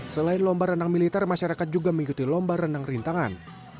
selain lomba renang militer masyarakat juga mengikuti lomba renang rintangan